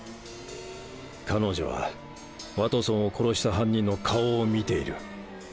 彼女はワトソンを殺した犯人の顔を見ている。